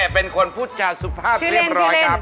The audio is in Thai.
เป็นคนพูดจาสุภาพเรียบร้อยครับ